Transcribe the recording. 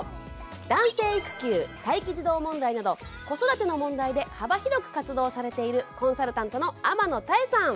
男性育休待機児童問題など子育ての問題で幅広く活動されているコンサルタントの天野妙さん。